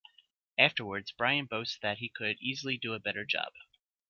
Afterwards, Brian boasts that he could easily do a better job.